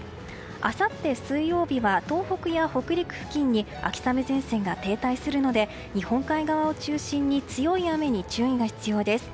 あさって水曜日は東北や北陸付近に秋雨前線が停滞するので日本海側を中心に強い雨に注意が必要です。